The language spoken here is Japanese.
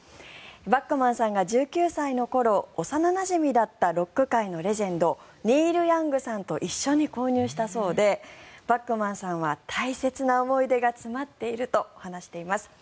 バックマンさんが１９歳の頃幼なじみだったロック界のレジェンドニール・ヤングさんと一緒に購入したそうでバックマンさんは大切な思い出が詰まっていると話しています。